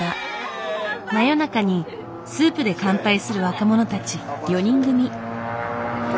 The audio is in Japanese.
真夜中にスープで乾杯する若者たち。